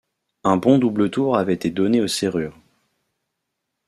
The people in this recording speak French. Un bon double tour avait été donné aux serrures.